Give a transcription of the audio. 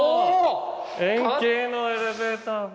円形のエレベーターホール。